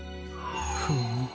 フム？